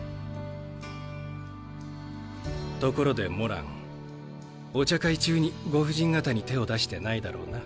ところでモランお茶会中にご婦人方に手を出してないだろうな？